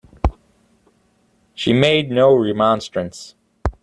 She made no remonstrance.